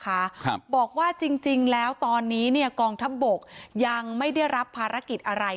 ครับบอกว่าจริงจริงแล้วตอนนี้เนี่ยกองทัพบกยังไม่ได้รับภารกิจอะไร